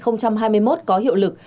năm hai nghìn hai mươi một có hiệu lực